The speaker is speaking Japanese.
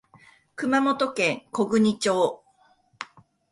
熊本県小国町